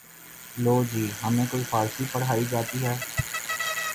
لو جی ہمیں کوئی فارسی پڑھائی جاتی ہے